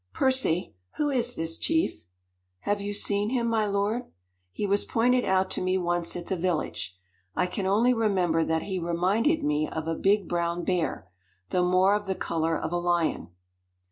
"Percy, who is this chief?" "Have you seen him, my lord?" "He was pointed out to me once at the village. I can only remember that he reminded me of a big brown bear, though more of the color of a lion."